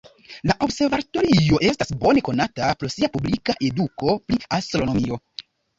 La observatorio estas bone konata pro sia publika eduko pri astronomio.